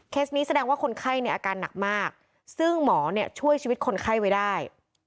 นี้แสดงว่าคนไข้ในอาการหนักมากซึ่งหมอเนี่ยช่วยชีวิตคนไข้ไว้ได้